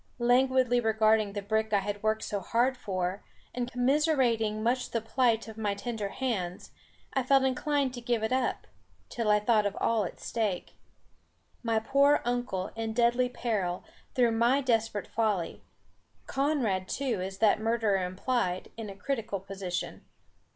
Languidly regarding the brick I had worked so hard for, and commiserating much the plight of my tender hands, I felt inclined to give it up, till I thought of all at stake. My poor Uncle in deadly peril through my desperate folly; Conrad too, as that murderer implied, in a critical position.